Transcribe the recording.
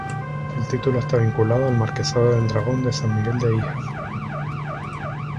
El título está vinculado al Marquesado del Dragón de San Miguel de Híjar.